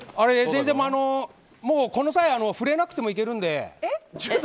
全然、この際触れなくてもいけるので。